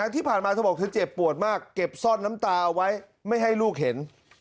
ที่ผ่านมาเธอบอกเธอเจ็บปวดมากเก็บซ่อนน้ำตาเอาไว้ไม่ให้ลูกเห็น